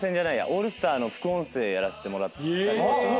オールスターの副音声やらせてもらったりとか。